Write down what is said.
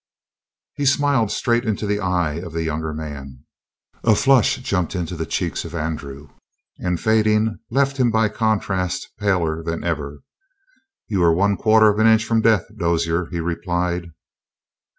He smiled straight into the eye of the younger man. A flush jumped into the cheeks of Andrew, and, fading, left him by contrast paler than ever. "You were one quarter of an inch from death, Dozier," he replied.